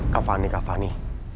kak fani kak fani